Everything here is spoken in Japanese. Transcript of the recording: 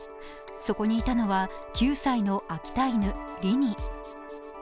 そこにいたのは９歳の秋田犬リニ。